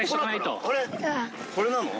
これなの？